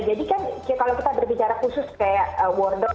jadi kan kalau kita berbicara khusus kayak wordle